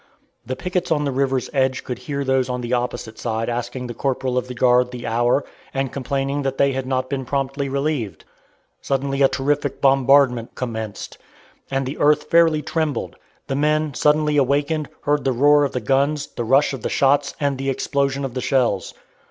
The pickets on the river's edge could hear those on the opposite side asking the corporal of the guard the hour, and complaining that they had not been promptly relieved. Suddenly a terrific bombardment commenced, and the earth fairly trembled. The men, suddenly awakened, heard the roar of the guns, the rush of the shots, and the explosion of the shells.